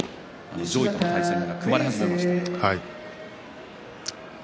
上位との対戦が組まれ始めましたね。